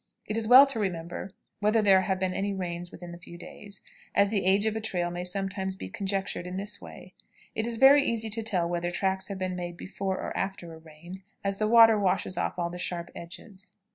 It is well to remember whether there have been any rains within a few days, as the age of a trail may sometimes be conjectured in this way. It is very easy to tell whether tracks have been made before or after a rain, as the water washes off all the sharp edges.